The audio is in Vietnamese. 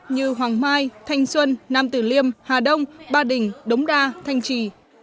như hoàng mai thanh xuân nam tử liêm hà đông ba đình đống đa thanh trì